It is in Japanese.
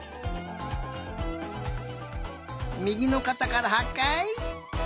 みぎのかたから８かい！